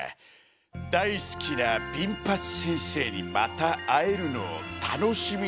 「大好きなビンパチ先生にまた会えるのを楽しみにしています！！」。